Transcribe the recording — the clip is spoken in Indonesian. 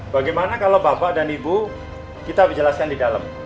bagaimana kalau bapak dan ibu kita jelaskan di dalam